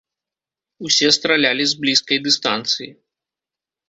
Усе стралялі з блізкай дыстанцыі.